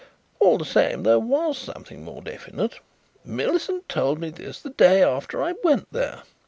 All the same there was something more definite. Millicent told me this the day after I went there.